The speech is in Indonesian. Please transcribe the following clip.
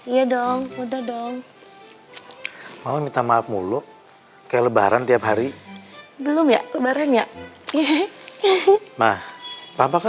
iya dong udah dong mau minta maaf mulu ke lebaran tiap hari belum ya kemarin ya